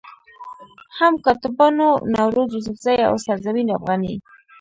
هم کاتبانو نوروز يوسفزئ، او سرزمين افغاني